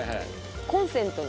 コンセントに。